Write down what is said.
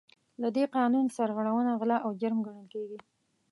له دې قانون سرغړونه غلا او جرم ګڼل کیږي.